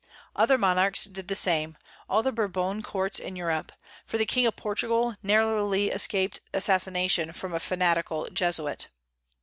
Other monarchs did the same; all the Bourbon courts in Europe, for the king of Portugal narrowly escaped assassination from a fanatical Jesuit.